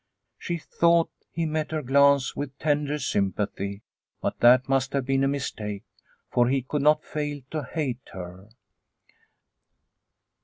She thought he met her glance with tender sympathy, but that must have been a mistake, for he could not fail to hate her.